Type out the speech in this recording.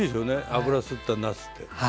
油吸ったなすって。